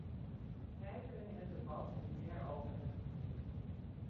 Wij kunnen het debat niet heropenen.